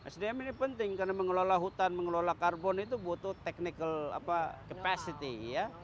sdm ini penting karena mengelola hutan mengelola karbon itu butuh technical capacity ya